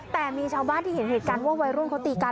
แต่มีชาวบ้านที่เห็นเหตุการณ์ว่าวัยรุ่นเขาตีกัน